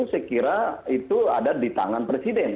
saya kira itu ada di tangan presiden